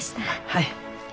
はい。